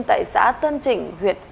tại xã tân trịnh huyện hà giang